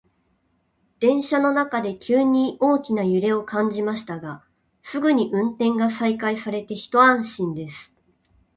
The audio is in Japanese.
電車の中で急に大きな揺れを感じましたが、すぐに運転が再開されて一安心です。